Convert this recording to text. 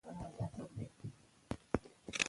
هڅه وکړئ چې په خپلو پښو ودرېږئ.